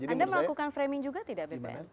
anda melakukan framing juga tidak bpn